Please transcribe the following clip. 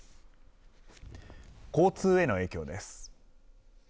交通への影響です。